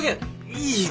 いいよ